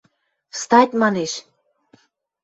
– Встать! – манеш.